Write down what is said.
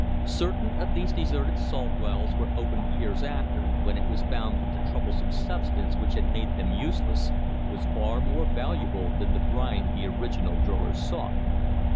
Certain of these deserted salt wells were opened years after, when it was found that the troublesome substance which had made them useless was far more valuable than the brine the original drillers sought.